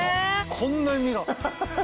こんなに身が！